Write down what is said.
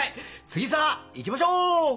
次さ行きましょう！